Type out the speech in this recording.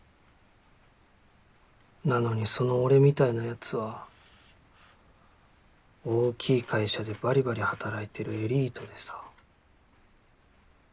なのにその俺みたいなヤツは大きい会社でバリバリ働いてるエリートでさ。